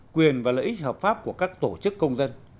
quyền và lợi ích hợp pháp của các tổ chức công dân